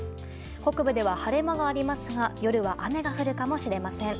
北部では晴れ間がありますが夜は雨が降るかもしれません。